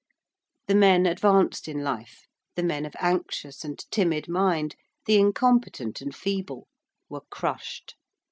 The men advanced in life; the men of anxious and timid mind; the incompetent and feeble: were crushed.